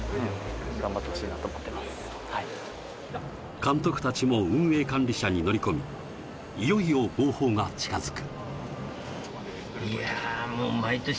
監督たちも運営管理車に乗り込み、いよいよ号砲が近づく。